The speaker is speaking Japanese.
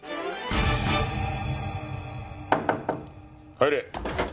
入れ。